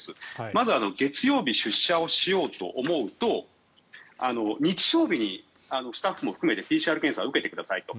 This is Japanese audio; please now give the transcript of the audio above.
まず、月曜日出社をしようと思うと日曜日にスタッフも含めてＰＣＲ検査を受けてくださいと。